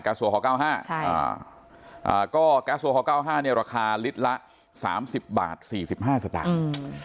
อ๋อแก๊สโซฮอร์๙๕แก๊สโซฮอร์๙๕ราคาลิตรละ๓๐บาท๔๕สตางค์